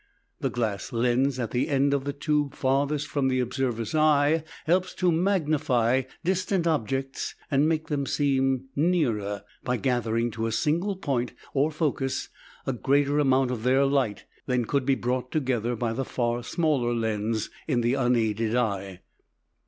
The glass lens at the end of the tube farthest from the observer's eye helps to magnify distant objects and make them seem nearer by gathering to a single point, or focus, a greater amount of their light than could be brought together by the far smaller lens in the unaided eye.